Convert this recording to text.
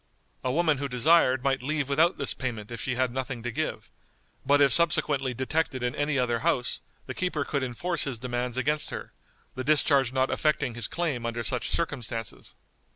A woman who desired might leave without this payment if she had nothing to give, but if subsequently detected in any other house the keeper could enforce his demands against her, the discharge not affecting his claim under such circumstances.